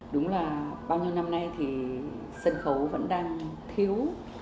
đúng là bao nhiêu năm nay thì sân khấu vẫn đang thiếu